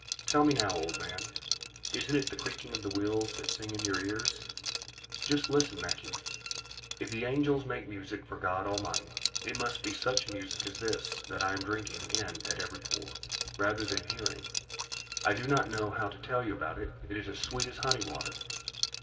"Tell me now, old man; isn't it the creaking of the wheels that sings in your ears?" "Just listen, Naqui! If the angels make music for God Almighty, it must be such music as this that I am drinking in at every pore, rather than hearing. I do not know how to tell you about it; it is as sweet as honey water!"